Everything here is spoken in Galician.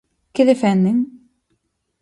¿Que defenden?